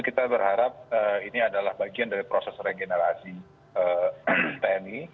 kita berharap ini adalah bagian dari proses regenerasi tni